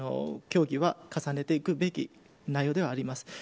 協議は重ねていくべき内容ではあります。